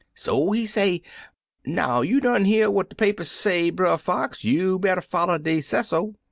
So he say, 'Now you done hear what de paper say. Brer Fox, you better foUer de sesso.